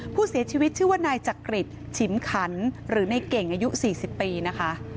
ผู้เสียชีวิตชื่อว่านายจักริจฉิมขันหรือในเก่งอายุ๔๐ปีนะคะ